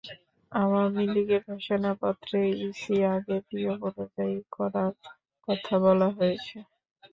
আওয়ামী লীগের ঘোষণাপত্রে ইসি আগের নিয়ম অনুযায়ী করার কথা বলা হয়েছে।